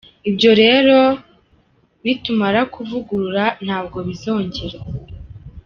Ibyo rero nitumara kuvugurura ntabwo bizongera.